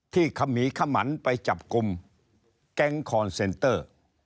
ขมีขมันไปจับกลุ่มแก๊งคอนเซนเตอร์